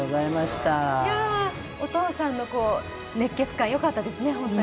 お父さんの熱血感、よかったですね